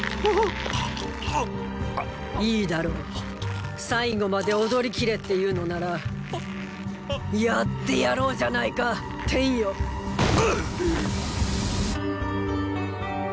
いいだろう最後まで踊りきれっていうのならやってやろうじゃないか天よっぐ！